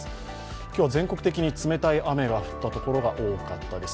今日は全国的に冷たい雨が降ったところが多かったです。